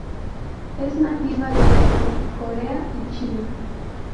Es nativa de Japón, Corea, y China.